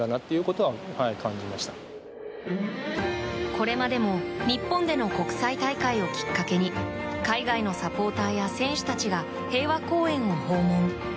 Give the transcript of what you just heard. これまでも日本での国際大会をきっかけに海外のサポーターや選手たちが平和公園を訪問。